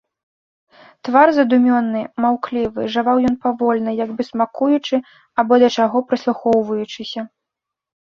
Твар задумёны, маўклівы, жаваў ён павольна, як бы смакуючы або да чаго прыслухоўваючыся.